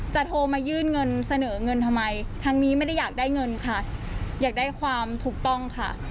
โทรมายื่นเงินเสนอเงินทำไมทั้งนี้ไม่ได้อยากได้เงินค่ะอยากได้ความถูกต้องค่ะ